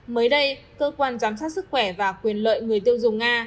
mới đây cơ quan giám sát sức khỏe và quyền lợi người tiêu dùng nga